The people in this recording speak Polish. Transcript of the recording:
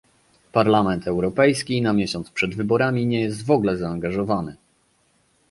Parlament Europejski na miesiąc przed wyborami nie jest w ogóle zaangażowany